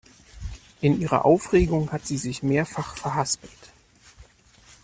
In ihrer Aufregung hat sie sich mehrfach verhaspelt.